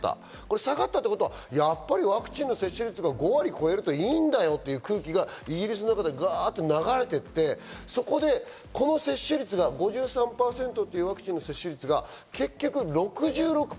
下がったということはワクチンの接種率が５割超えるといいんだよという空気がイギリスなどでガっと流れていって、この５３％というワクチン接種率が結局６６％。